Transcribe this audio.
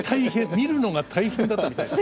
見るのが大変だったみたいですよ。